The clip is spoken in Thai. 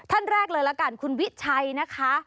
ท่านแรกเลยละกันคุณวิชัยนะคะ